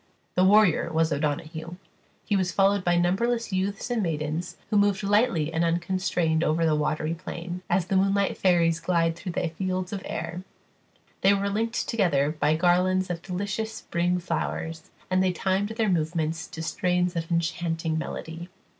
The warrior was O'Donoghue; he was followed by numberless youths and maidens, who moved lightly and unconstrained over the watery plain, as the moonlight fairies glide through the fields of air; they were linked together by garlands of delicious spring flowers, and they timed their movements to strains of enchanting melody.